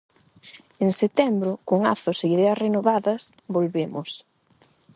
En setembro, con azos e ideas renovadas, volvemos.